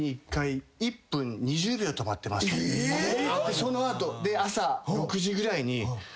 その後朝６時ぐらいに。